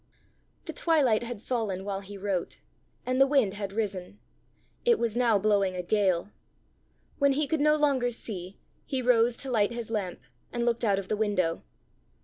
The twilight had fallen while he wrote, and the wind had risen. It was now blowing a gale. When he could no longer see, he rose to light his lamp, and looked out of the window.